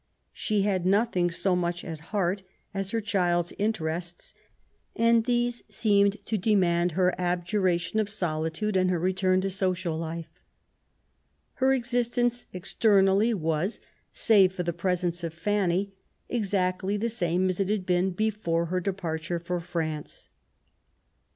She had nothing so much at heart as her child's interests, and these seemed to demand her abjuration of solitude and her return to social life. Her existence externally was, save for the presence of Fanny, exactly the same as it had been before her departure for France.